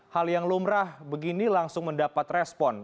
hal yang lumrah begini langsung mendapat respon